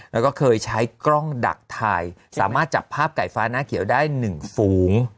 แล้วก็เคยใช้กล้องดักถ่ายสามารถจับภาพไก่ฟ้าหน้าเขียวได้๑ฝูง